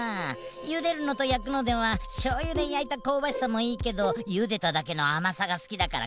ゆでるのと焼くのではしょうゆで焼いたこうばしさもいいけどゆでただけのあまさがすきだからこのあたり。